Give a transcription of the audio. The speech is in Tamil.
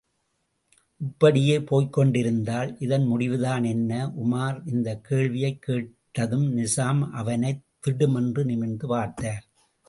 இப்படியே போய்க்கொண்டிருந்தால் இதன் முடிவுதான் என்ன? உமார் இந்தக் கேள்வியைக் கேட்டதும் நிசாம் அவனைத் திடுமென்று நிமிர்ந்து பார்த்தார்.